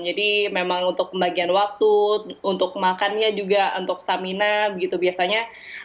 jadi memang untuk pembagian waktu untuk makannya juga untuk stamina gitu biasanya